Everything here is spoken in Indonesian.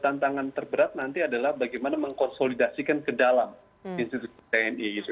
tantangan terberat nanti adalah bagaimana mengkonsolidasikan ke dalam institusi tni gitu